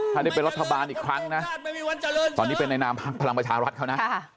ถ้าได้ไปรัฐบาลอีกครั้งนะตอนนี้เป็นนายน้ำภักด์พลังประชาราชเขานะ